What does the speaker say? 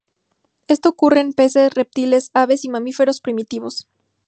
Esto ocurre en peces, reptiles, aves y mamíferos primitivos.